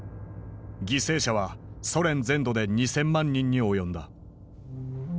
犠牲者はソ連全土で２，０００万人に及んだ。